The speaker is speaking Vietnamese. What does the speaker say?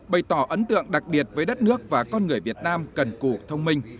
bày tỏ ấn tượng đặc biệt với đất nước và con người việt nam cần củ thông minh